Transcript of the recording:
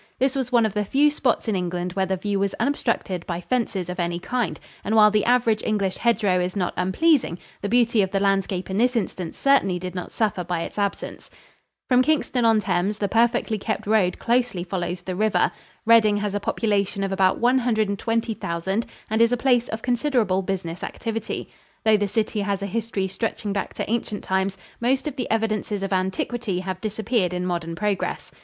This was one of the few spots in England where the view was unobstructed by fences of any kind, and while the average English hedge row is not unpleasing, the beauty of the landscape in this instance certainly did not suffer by its absence. From Kingston on Thames, the perfectly kept road closely follows the river. Reading has a population of about one hundred and twenty thousand and is a place of considerable business activity. Though the city has a history stretching back to ancient times, most of the evidences of antiquity have disappeared in modern progress.